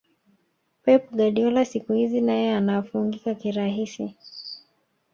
pep guardiola siku hizi naye anafungika kirahisi